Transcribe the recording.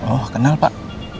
oh kenal pak